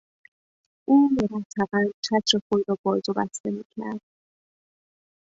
او مرتبا چتر خود را باز و بسته میکرد.